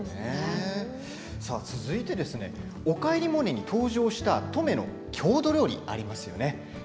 続いて「おかえりモネ」に登場した登米の郷土料理がありますよね